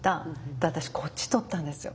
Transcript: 私こっち取ったんですよ。